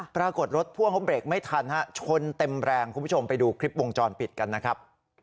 ปรากฏรถพ่วงเขาเบรกไม่ทันฮะชนเต็มแรงคุณผู้ชมไปดูคลิปวงจรปิดกันนะครับ